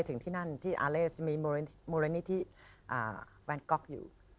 ถึงที่นั่นที่อาเลสมีมูลนิธิแวนก๊อกอยู่